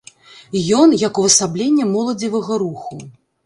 Ён як увасабленне моладзевага руху.